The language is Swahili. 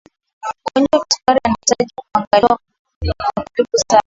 mgonjwa wa kisukari anahitaji uangalizi wa karibu sana